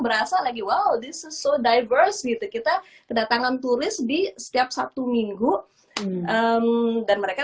berasa lagi wow this is so diverse gitu kita kedatangan turis di setiap sabtu minggu dan mereka